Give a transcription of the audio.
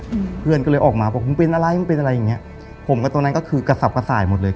อืมเพื่อนก็เลยออกมาบอกมึงเป็นอะไรมึงเป็นอะไรอย่างเงี้ยผมกับตรงนั้นก็คือกระสับกระส่ายหมดเลย